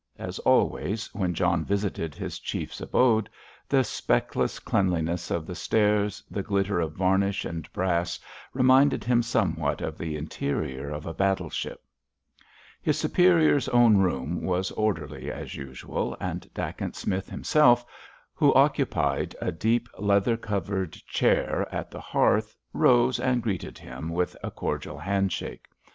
As always, when John visited his Chief's abode, the speckless cleanliness of the stairs, the glitter of varnish and brass reminded him somewhat of the interior of a battleship. His superior's own room was orderly as usual, and Dacent Smith himself, who occupied a deep leather covered chair at the hearth, rose and greeted him with a cordial handshake.